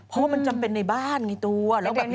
เพราะว่ามันจำเป็นในบ้านอยู่ตัว